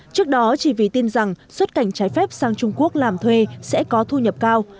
trước đó chỉ vì tin rằng xuất cảnh trái phép sang trung quốc làm thuê sẽ có thu nhập cao